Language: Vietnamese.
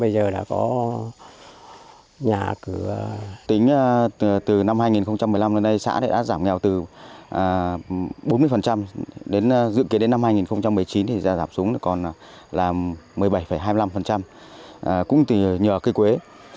tính từ năm hai nghìn một mươi năm đến nay xã đã giảm nghèo từ bốn mươi dự kế đến năm hai nghìn một mươi chín thì giá giảm xuống còn là một mươi bảy hai mươi năm cũng nhờ cây quế